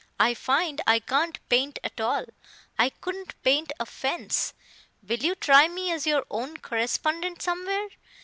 I find I can't paint at all; I couldn't paint a fence. Will you try me as your Own Correspondent somewhere?